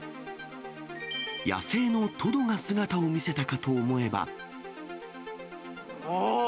野生のトドが姿を見せたかとおお！